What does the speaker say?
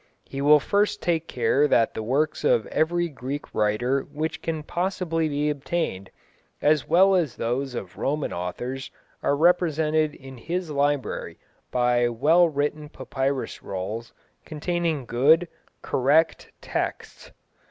He will first take care that the works of every Greek writer which can possibly be obtained, as well as those of Roman authors, are represented in his library by well written papyrus rolls containing good, correct texts.